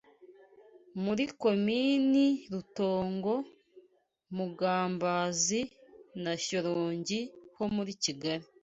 muri Komini Rutongo, Mugambazi na Shyorongi ho muri Kigali